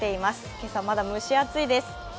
今朝、まだ蒸し暑いです。